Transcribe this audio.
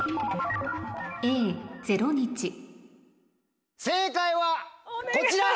「０日」正解はこちら！